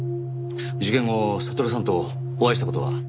事件後悟さんとお会いした事は？